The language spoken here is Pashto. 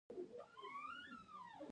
بیرته یې پر مځکه لکه یو وړوکی کېښود.